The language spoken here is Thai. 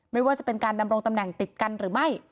ไม่ว่าจะเป็นการดำรงตำแหน่งติดกันหรือไม่